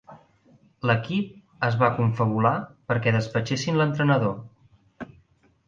L'equip es va confabular perquè despatxessin l'entrenador.